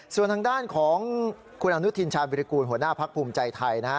ส่วนทางด้านของคุณอนุทินชาญวิริกูลหัวหน้าพักภูมิใจไทยนะฮะ